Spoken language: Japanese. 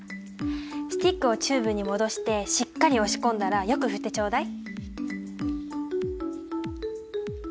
スティックをチューブに戻してしっかり押し込んだらよく振ってちょうだい。